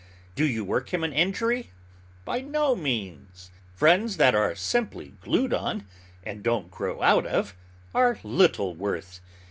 Do you work him an injury? By no means. Friends that are simply glued on, and don't grow out of, are little worth.